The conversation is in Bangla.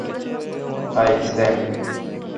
High, Sam!